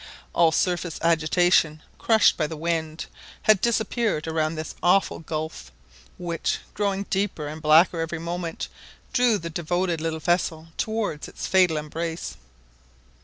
All surface agitation, crushed by the wind, had disappeared around this awful gulf, which, growing deeper and blacker every moment, drew the devoted little vessel towards its fatal embrace.